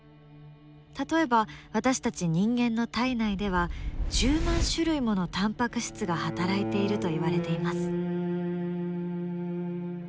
例えば私たち人間の体内では１０万種類ものタンパク質が働いていると言われています。